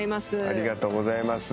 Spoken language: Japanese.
ありがとうございます。